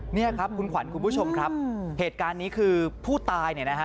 นี่ครับคุณขวัญคุณผู้ชมครับเหตุการณ์นี้คือผู้ตายเนี่ยนะฮะ